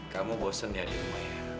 kamu bosen ya di rumah ya